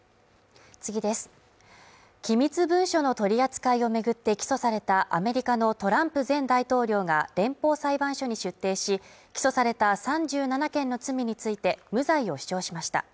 機密文書の取り扱いを巡って起訴されたアメリカのトランプ前大統領が連邦裁判所に出廷し、起訴された３７件の罪について無罪を主張しました。